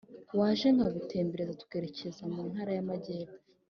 Waje nkagutembereza tukerekeza mu Ntara y’Amajyepfo